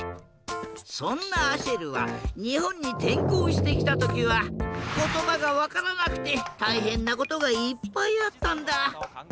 そんなアシェルはにほんにてんこうしてきたときはことばがわからなくてたいへんなことがいっぱいあったんだ。